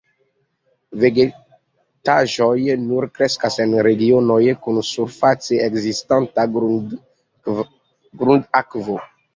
Vegetaĵoj nur kreskas en regionoj kun surface ekzistanta grundakvo.